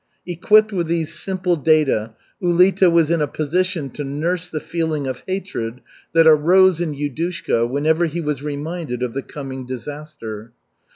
Equipped with these simple data, Ulita was in a position to nurse the feeling of hatred that arose in Yudushka whenever he was reminded of the coming "disaster."